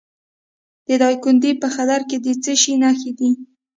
د دایکنډي په خدیر کې د څه شي نښې دي؟